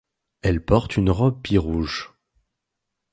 Elle porte une robe pie rouge.